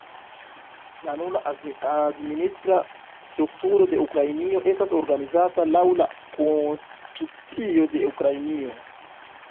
La nuna administra strukturo de Ukrainio estas organizata laŭ la konstitucio de Ukrainio.